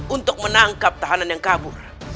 untuk menangkap tahanan yang kabur